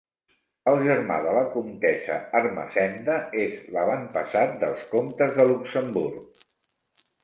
El germà de la comtessa Ermessenda és l'avantpassat dels comtes de Luxemburg.